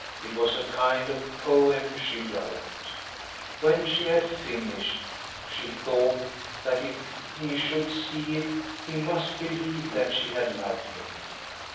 It was a kind of poem she wrote. When she had finished she thought that if he should see it he must believe that she had loved him.